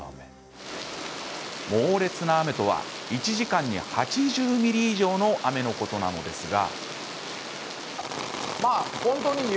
猛烈な雨とは１時間に８０ミリ以上の雨のことなのですが。